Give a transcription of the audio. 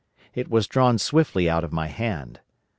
It was drawn swiftly out of my hand.